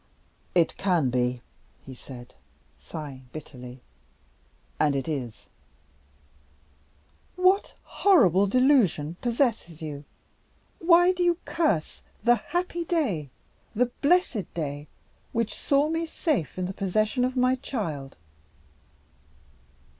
"It can be," he said, sighing bitterly; "and it is." "What horrible delusion possesses you? Why do you curse the happy day, the blessed day, which saw me safe in the possession of my child?"